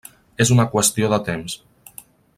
És una qüestió de temps.